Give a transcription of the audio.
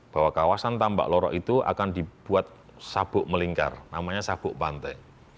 bahwa kawasan tambak lorok itu akan dibuat sabuk melingkar namanya sabuk pantai